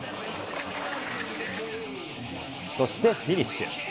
そしてフィニッシュ。